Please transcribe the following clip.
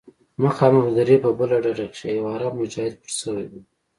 مخامخ د درې په بله ډډه کښې يو عرب مجاهد پټ سوى و.